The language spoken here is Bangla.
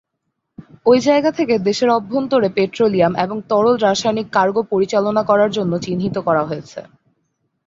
ওই জায়গা থেকে দেশের অভ্যন্তরে পেট্রোলিয়াম এবং তরল রাসায়নিক কার্গো পরিচালনা করার জন্য চিহ্নিত করা হয়েছে।